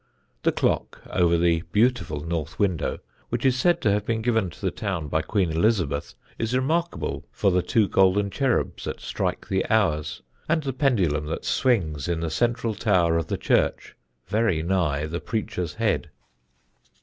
The clock over the beautiful north window, which is said to have been given to the town by Queen Elizabeth, is remarkable for the two golden cherubs that strike the hours, and the pendulum that swings in the central tower of the church, very nigh the preacher's head.